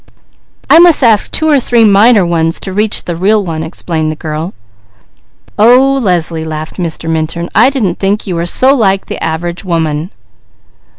"I must ask two or three minor ones to reach the real one," explained the girl. "Oh Leslie," laughed Mr. Minturn. "I didn't think you were so like the average woman."